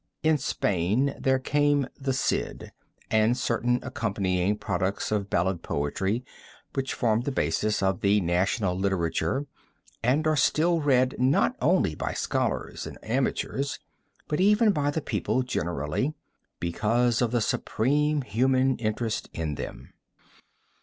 In Spain there came the Cid and certain accompanying products of ballad poetry which form the basis of the national literature and are still read not only by scholars and amateurs, but even by the people generally, because of the supreme human interest in them.